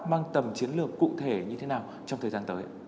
mang tầm chiến lược cụ thể như thế nào trong thời gian tới